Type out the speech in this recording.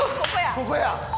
ここや。